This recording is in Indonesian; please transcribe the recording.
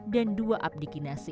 dan dua abdi kinasi